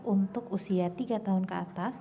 untuk usia tiga tahun ke atas